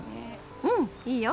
うん、いいよ。